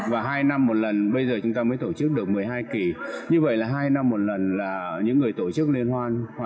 và ca ngợi xây dựng hình ảnh